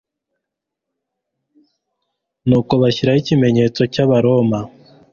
nuko bashyiraho ikimenyetso cy'abaroma.